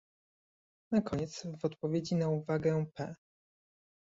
Na koniec, w odpowiedzi na uwagę p